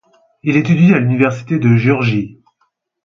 Il étudie à l' Université de Géorgie.